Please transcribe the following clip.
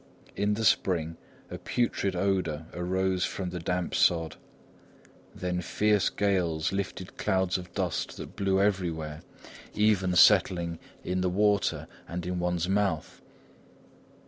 In the spring, a putrid odour arose from the damp sod. Then fierce gales lifted clouds of dust that blew everywhere, even settling in the water and in one's mouth.